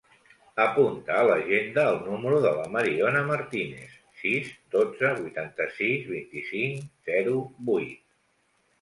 Apunta a l'agenda el número de la Mariona Martinez: sis, dotze, vuitanta-sis, vint-i-cinc, zero, vuit.